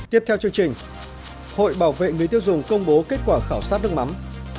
tiếp theo chương trình hội bảo vệ người tiêu dùng công bố kết quả khảo sát nước mắm